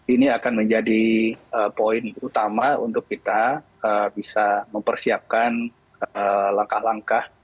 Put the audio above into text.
ini akan menjadi poin utama untuk kita bisa mempersiapkan langkah langkah